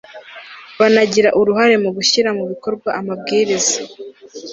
banagira uruhare mu gushyira mu bikorwa amabwiriza